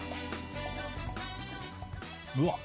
うわっ！